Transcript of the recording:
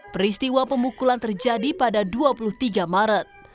peristiwa pemukulan terjadi pada dua puluh tiga maret